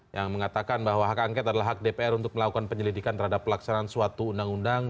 yang mengatakan bahwa hak angket adalah hak dpr untuk melakukan penyelidikan terhadap pelaksanaan suatu undang undang